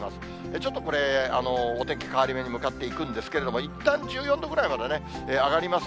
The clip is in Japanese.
ちょっとこれ、お天気変わり目に向かっていくんですけれども、いったん、１４度ぐらいまで上がります。